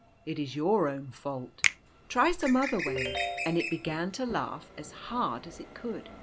It is your ; i own fault. Try some other way ;" and it began to laugh as hard as it could.